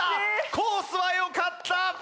コースはよかった。